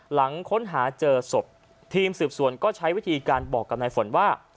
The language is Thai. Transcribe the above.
หลังค้นหาเจอศพทีมสืบสวนก็ใช้วิธีการบอกกับนายฝนว่า